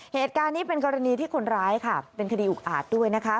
เหตุการณ์นี้เป็นกรณีที่คนร้ายค่ะเป็นคดีอุกอาจด้วยนะคะ